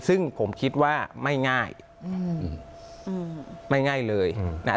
ซึ่งผมคิดว่าไม่ง่ายอืมไม่ง่ายเลยนะฮะ